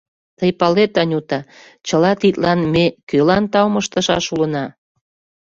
Тый палет, Анюта, чыла тидлан ме кӧлан таум ыштышаш улына?